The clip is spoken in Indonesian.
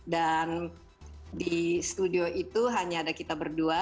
dan di studio itu hanya ada kita berdua